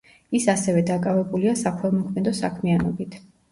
ის ასევე დაკავებულია საქველმოქმედო საქმიანობით.